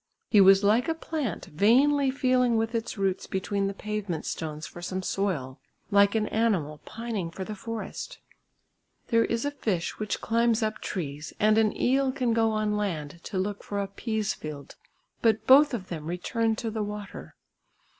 He was like a plant vainly feeling with its roots between the pavement stones for some soil; like an animal pining for the forest. There is a fish which climbs up trees, and an eel can go on land to look for a pease field, but both of them return to the water.